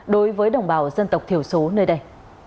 đối với đồng bào dân tộc thiểu số nơi đây